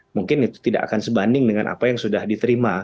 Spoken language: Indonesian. mungkin itu tidak akan sebanding dengan apa yang sudah diterima